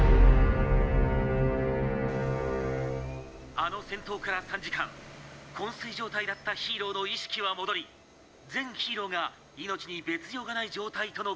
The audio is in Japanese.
「あの戦闘から３時間昏睡状態だったヒーローの意識は戻り全ヒーローが命に別状がない状態とのことです」。